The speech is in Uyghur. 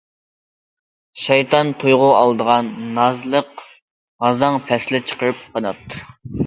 شەيتان تۇيغۇ ئالدىغان نازلىق، غازاڭ پەسلى چىقىرىپ قانات.